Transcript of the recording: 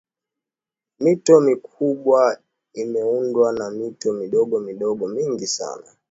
mito mikubwa imeundwa na mito midogomidogo mingi sana